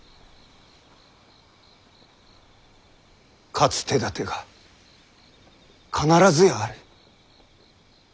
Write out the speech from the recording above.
勝つ手だてが必ずやある。